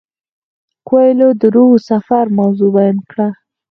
کویلیو د روح د سفر موضوع بیان کړه.